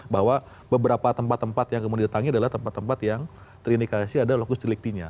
bahwa beberapa tempat tempat yang kemudian didatangi adalah tempat tempat yang terindikasi ada lokus deliktinya